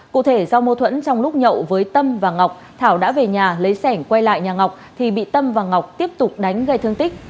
cụ thể do mâu thuẫn trong lúc nhậu với tâm và ngọc thảo đã về nhà lấy sẻng quay lại nhà ngọc thì bị tâm và ngọc tiếp tục đánh gây thương tích